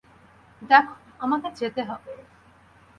দেখ, আমাকে যেতে হবে।